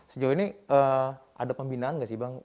sejauh ini ada pembinaan nggak sih bang